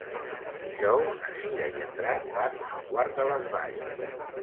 Dijous na Cira i en Drac van a Quart de les Valls.